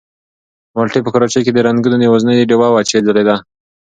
مالټې په کراچۍ کې د رنګونو یوازینۍ ډېوه وه چې ځلېده.